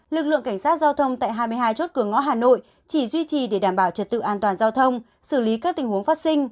lực lượng cảnh sát giao thông tại hai mươi hai chốt cửa ngõ hà nội chỉ duy trì để đảm bảo trật tự an toàn giao thông xử lý các tình huống phát sinh